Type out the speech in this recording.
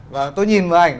và tôi nhìn vào ảnh